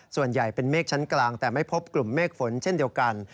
ส่วนใหญ่เป็นเมฆชั้นกลางแต่ไม่พบกลุ่มเมฆฝนเช่นเดียวกัน